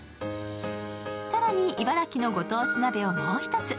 更に、茨城のご当地鍋をもう一つ。